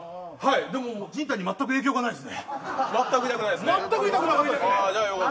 でも、人体にまったく影響がないです。